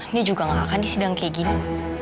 ini juga gak akan disidang kayak gini